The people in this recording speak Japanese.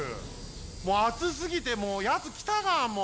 もうあつすぎてもうヤツきたがもう。